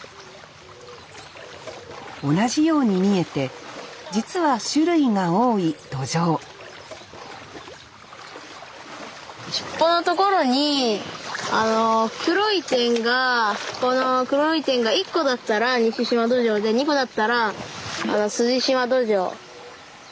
同じように見えて実は種類が多いドジョウ尻尾のところに黒い点がこの黒い点が１個だったらニシシマドジョウで２個だったらスジシマドジョウ。